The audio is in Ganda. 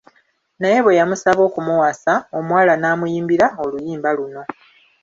Naye bwe yamusaba okumuwasa, omuwala n'amuyimbira oluyimba luno.